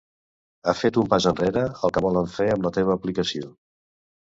Ha fet un pas enrere al que volen fer amb la teva aplicació.